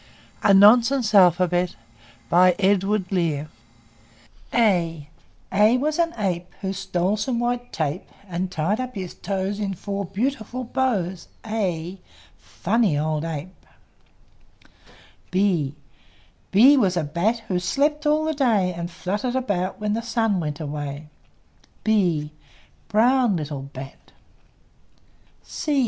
A A was an ape, Who stole some white tape, And tied up his toes In four beautiful bows. a! Funny old ape! B B was a bat, Who slept all the day, And fluttered about When the sun went away. b! Brown little bat!